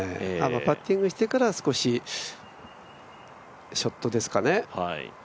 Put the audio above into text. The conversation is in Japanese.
パッティングしてから少しショットですかね。